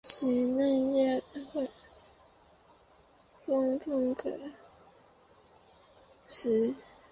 其嫩叶烹饪后可食。